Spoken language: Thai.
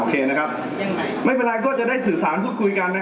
อ่าโอเคนะครับไม่เป็นไรก็จะได้สื่อสารพูดคุยกันนะครับ